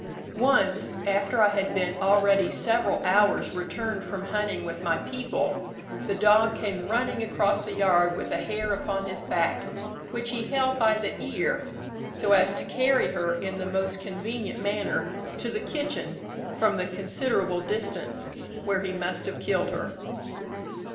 "Once, after I had been already several hours returned from hunting with my people, the dog came running across the yard with a hare upon his back, which he held by the ear, so as to carry her in the most convenient manner to the kitchen from the considerable distance where he must have killed her.